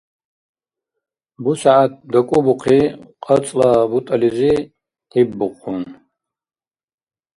БусягӀят дакӀубухъи, кьацӀла бутӀализи къиббухъун.